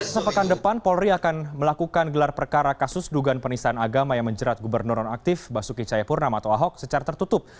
sepekan depan polri akan melakukan gelar perkara kasus dugaan penistaan agama yang menjerat gubernur nonaktif basuki cayapurnam atau ahok secara tertutup